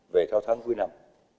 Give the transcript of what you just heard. về thao thắng cuối năm